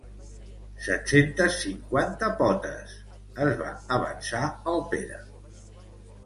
Set-centes cinquanta potes! —es va avançar el Pere.